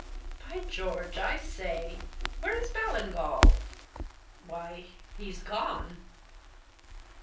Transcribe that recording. "By George! I say! where's Ballingall? Why, he's gone!"